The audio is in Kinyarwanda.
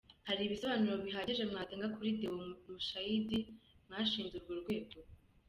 Hari ibisobanuro bihagije mwatanga kuri Déo Mushayidi, mwashinze urwo rwego ?